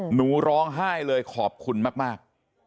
หนูร้องไห้เลยขอบคุณมาก